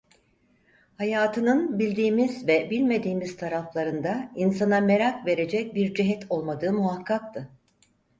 Hayatının bildiğimiz ve bilmediğimiz taraflarında insana merak verecek bir cihet olmadığı muhakkaktı.